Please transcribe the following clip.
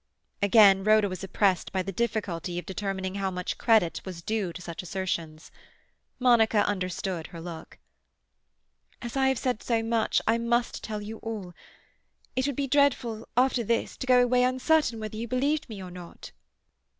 Again Rhoda was oppressed by the difficulty of determining how much credit was due to such assertions. Monica understood her look. "As I have said so much I must tell you all. It would be dreadful after this to go away uncertain whether you believed me or not."